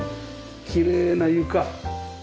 きれいな床。